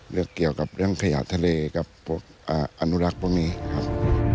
เรื่องขยะทะเลกับพวกอนุลักษณ์พวกนี้ครับ